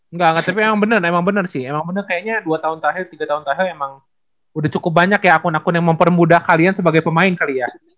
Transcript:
enggak enggak tapi emang bener emang bener sih emang bener kayaknya dua tahun tahil tiga tahun tahil emang udah cukup banyak ya akun akun yang mempermudah kalian sebagai pemain kali ya